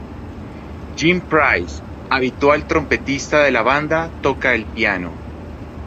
Jim Price, habitual trompetista de la banda, toca el piano.